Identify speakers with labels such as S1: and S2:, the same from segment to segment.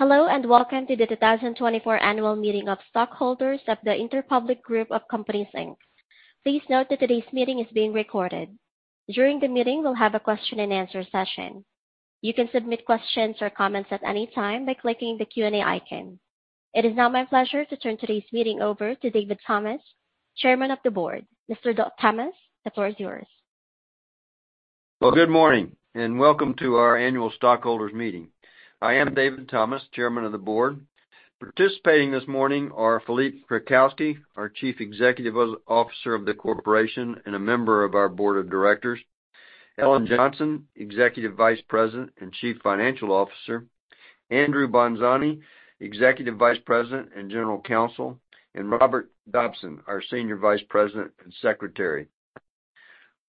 S1: Hello, and welcome to the 2024 Annual Meeting of Stockholders of the Interpublic Group of Companies, Inc. Please note that today's meeting is being recorded. During the meeting, we'll have a question and answer session. You can submit questions or comments at any time by clicking the Q&A icon. It is now my pleasure to turn today's meeting over to David Thomas, chairman of the board. Mr. Thomas, the floor is yours.
S2: Well, good morning, and welcome to our annual stockholders meeting. I am David Thomas, chairman of the board. Participating this morning are Philippe Krakowsky, our Chief Executive Officer of the corporation and a member of our board of directors, Ellen Johnson, Executive Vice President and Chief Financial Officer, Andrew Bonzani, Executive Vice President and General Counsel, and Robert Dobson, our Senior Vice President and Secretary.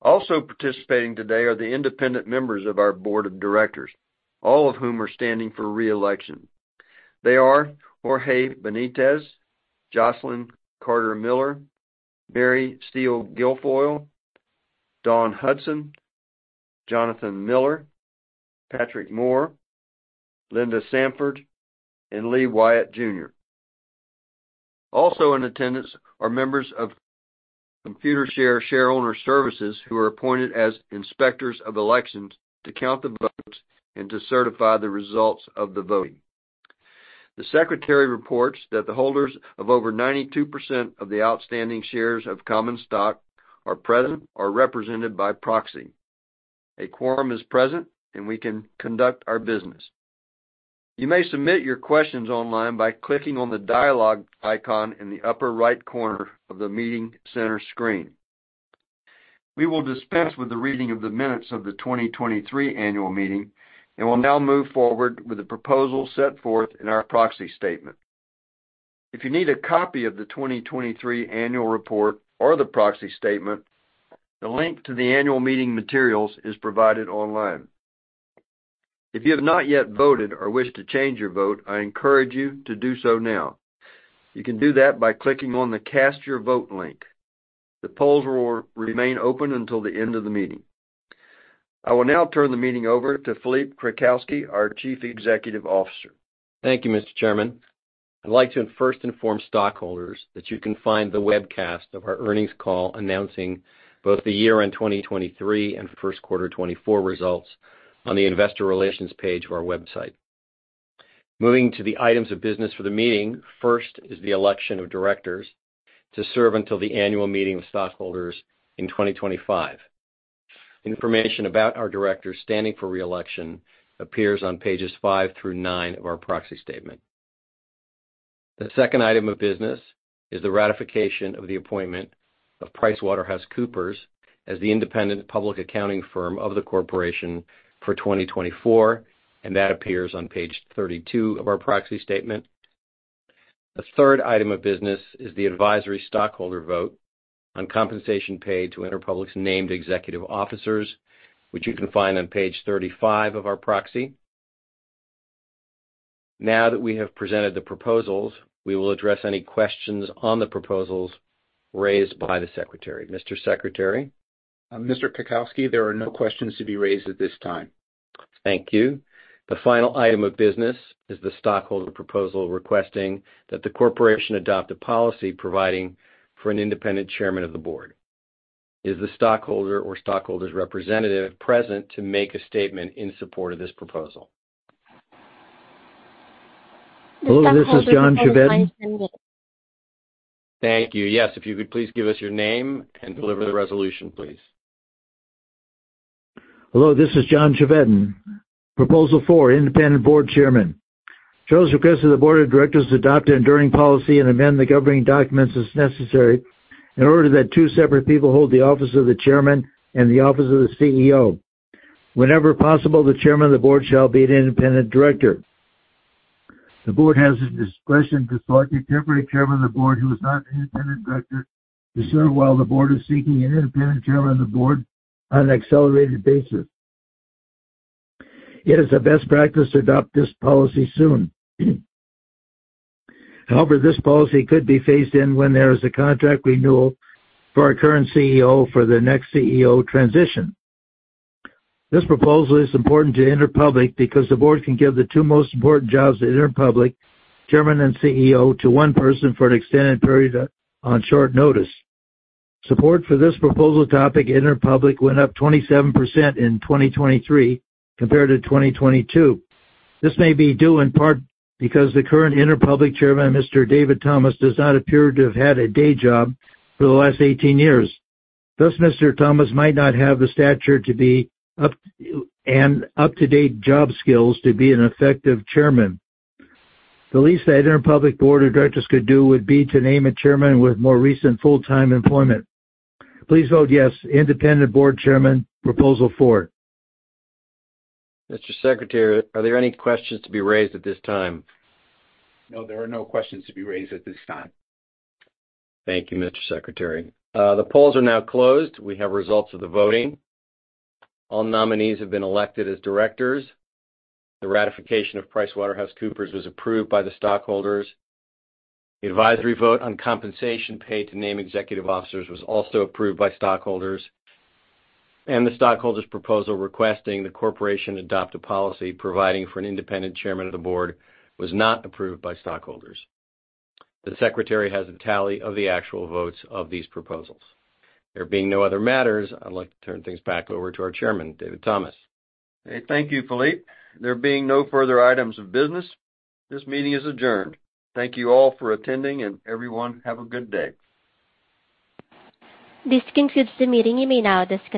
S2: Also participating today are the independent members of our board of directors, all of whom are standing for re-election. They are Jorge Benitez, Jocelyn Carter-Miller, Mary Steele Guilfoile, Dawn Hudson, Jonathan Miller, Patrick Moore, Linda Sanford, and Lee Wyatt Jr. Also in attendance are members of Computershare, who are appointed as inspectors of elections to count the votes and to certify the results of the voting. The secretary reports that the holders of over 92% of the outstanding shares of common stock are present or represented by proxy. A quorum is present, and we can conduct our business. You may submit your questions online by clicking on the dialogue icon in the upper right corner of the Meeting Center screen. We will dispense with the reading of the minutes of the 2023 annual meeting, and we'll now move forward with the proposal set forth in our proxy statement. If you need a copy of the 2023 annual report or the proxy statement, the link to the annual meeting materials is provided online. If you have not yet voted or wish to change your vote, I encourage you to do so now. You can do that by clicking on the Cast Your Vote link. The polls will remain open until the end of the meeting. I will now turn the meeting over to Philippe Krakowsky, our Chief Executive Officer.
S3: Thank you, Mr. Chairman. I'd like to first inform stockholders that you can find the webcast of our earnings call announcing both the year-end 2023 and first quarter 2024 results on the Investor Relations page of our website. Moving to the items of business for the meeting, first is the election of directors to serve until the annual meeting of stockholders in 2025. Information about our directors standing for re-election appears on pages 5 through 9 of our proxy statement. The second item of business is the ratification of the appointment of PricewaterhouseCoopers as the independent public accounting firm of the corporation for 2024, and that appears on page 32 of our proxy statement. The third item of business is the advisory stockholder vote on compensation paid to Interpublic's named executive officers, which you can find on page 35 of our proxy. Now that we have presented the proposals, we will address any questions on the proposals raised by the secretary. Mr. Secretary?
S4: Mr. Krakowsky, there are no questions to be raised at this time.
S3: Thank you. The final item of business is the stockholder proposal requesting that the corporation adopt a policy providing for an independent chairman of the board. Is the stockholder or stockholder's representative present to make a statement in support of this proposal? Hello, this is John Chevedden. Thank you. Yes, if you could please give us your name and deliver the resolution, please. Hello, this is John Chevedden. Proposal 4, Independent Board Chairman. Shareholders request that the board of directors adopt an enduring policy and amend the governing documents as necessary in order that two separate people hold the office of the chairman and the office of the CEO. Whenever possible, the chairman of the board shall be an independent director. The board has the discretion to select a temporary chairman of the board, who is not an independent director, to serve while the board is seeking an independent chairman of the board on an accelerated basis. It is a best practice to adopt this policy soon. However, this policy could be phased in when there is a contract renewal for our current CEO for the next CEO transition. This proposal is important to Interpublic because the board can give the two most important jobs at Interpublic, chairman and CEO, to one person for an extended period on short notice. Support for this proposal topic at Interpublic went up 27% in 2023 compared to 2022. This may be due in part because the current Interpublic chairman, Mr. David Thomas, does not appear to have had a day job for the last 18 years. Thus, Mr. Thomas might not have the stature to be up-to-date job skills to be an effective chairman. The least the Interpublic board of directors could do would be to name a chairman with more recent full-time employment. Please vote yes. Independent Board Chairman, Proposal 4. Mr. Secretary, are there any questions to be raised at this time?
S4: No, there are no questions to be raised at this time.
S3: Thank you, Mr. Secretary. The polls are now closed. We have results of the voting. All nominees have been elected as directors. The ratification of PricewaterhouseCoopers was approved by the stockholders. The advisory vote on compensation paid to Named Executive Officers was also approved by stockholders, and the stockholders' proposal requesting the corporation adopt a policy providing for an independent chairman of the board was not approved by stockholders. The secretary has a tally of the actual votes of these proposals. There being no other matters, I'd like to turn things back over to our Chairman, David Thomas.
S2: Hey, thank you, Philippe. There being no further items of business, this meeting is adjourned. Thank you all for attending, and everyone, have a good day.
S1: This concludes the meeting. You may now disconnect.